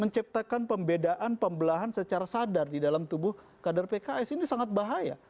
menciptakan pembedaan pembelahan secara sadar di dalam tubuh kader pks ini sangat bahaya